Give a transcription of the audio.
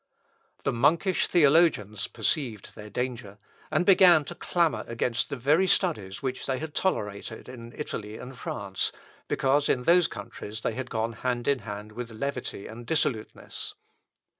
The monkish theologians perceived their danger, and began to clamour against the very studies which they had tolerated in Italy and France, because in those countries they had gone hand in hand with levity and dissoluteness.